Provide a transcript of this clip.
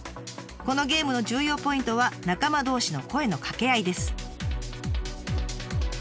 このゲームの重要ポイントは仲間同士の声のかけ合いです。